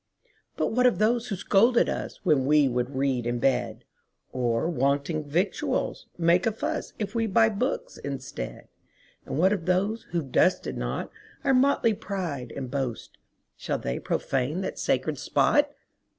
"But what of those who scold at usWhen we would read in bed? Or, wanting victuals, make a fussIf we buy books instead? And what of those who 've dusted notOur motley pride and boast,—Shall they profane that sacred spot?"